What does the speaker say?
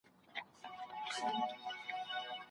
ښایي ډاکټر زموږ پاڼه وړاندي کړي.